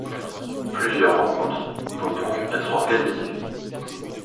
Plusieurs rencontres vont donc être organisées.